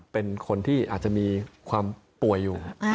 เป็นคนที่อาจจะมีความป่วยอยู่